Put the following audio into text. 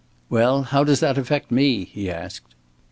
"Well, how does that affect me?" he asked.